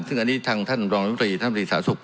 ซึ่งอันนี้ท่านท่านรองนิวตรีท่านรองนิวตรีสาธารณสุพธิ์